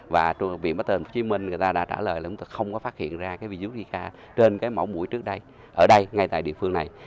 và viện patro tp hcm đã trả lời là chúng tôi không có phát hiện ra virus zika trên cái mẫu mũi trước đây ở đây ngay tại địa phương này